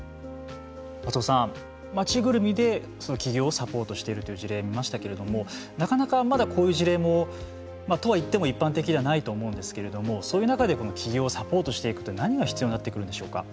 松尾さん、町ぐるみで起業をサポートしているという事例見ましたけれどもなかなかまだこういう事例もとは言っても一般的ではないと思うんですけれどもそういう中で起業をサポートしていくって何が必要になってくるんでしょうか。